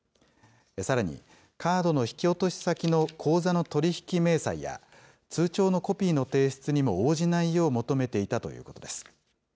さらにカードの引き落とし先の口座の取り引き明細や、通帳のコピーの提出にも応じないよう求めていたということです。